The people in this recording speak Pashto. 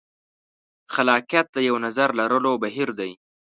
خلاقیت د یوه نظر لرلو بهیر دی.